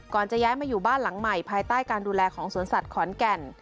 จะย้ายมาอยู่บ้านหลังใหม่ภายใต้การดูแลของสวนสัตว์ขอนแก่น